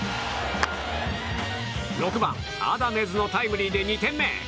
６番、アダメズのタイムリーで２点目。